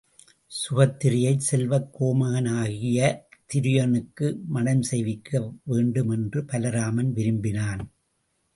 சுபத்திரையைச் செல்வக் கோமகனாகிய துரியனுக்கு மணம் செய்விக்க வேண்டும் என்று பலராமன் விரும்பினான்.